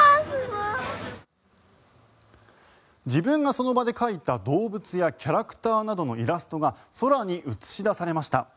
自分がその場で描いた動物やキャラクターなどのイラストが空に映し出されました。